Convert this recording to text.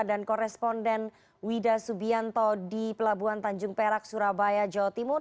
dan koresponden wida subianto di pelabuhan tanjung perak surabaya jawa timur